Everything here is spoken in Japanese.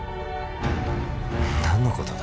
何のことだ？